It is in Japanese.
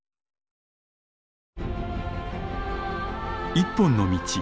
「一本の道」。